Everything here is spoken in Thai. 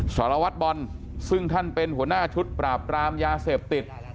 สารวัตรบอลซึ่งท่านเป็นหัวหน้าชุดปราบปรามยาเสพติด